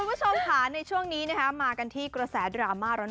คุณผู้ชมค่ะในช่วงนี้มากันที่กระแสดราม่าร้อน